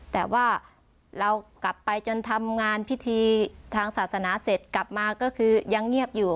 แต่ว่าเรากลับไปจนทำงานพิธีทางศาสนาเสร็จกลับมาก็คือยังเงียบอยู่